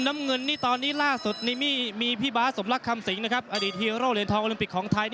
น้ำเงินตอนนี้ล่าสุดมีพี่บาสสมรักคำสิงอดีตฮีโร่เหรียญทองอลิมปิกของไทย